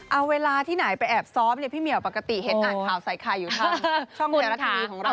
เอาเวลาที่ไหนไปแอบซ้อมเนี่ยพี่เหมียวปกติเห็นอ่านข่าวใส่ไข่อยู่ทางช่องไทยรัฐทีวีของเรา